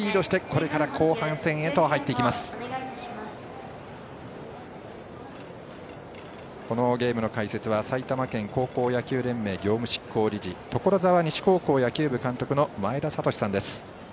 このゲームの解説は埼玉県高校野球連盟業務執行理事所沢西高校野球部監督の前田聡さんです。